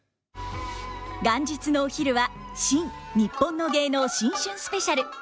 元日のお昼は「新・にっぽんの芸能新春スペシャル」。